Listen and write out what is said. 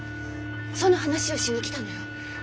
その話をしに来たのよ。